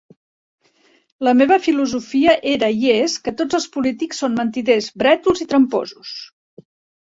La meva filosofia era i és que "tots els polítics són mentiders, brètols i tramposos".